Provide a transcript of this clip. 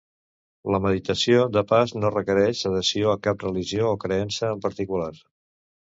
La meditació de pas no requereix adhesió a cap religió o creença en particular.